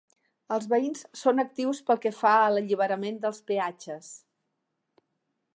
Els veïns són actius pel que fa a l'alliberament dels peatges.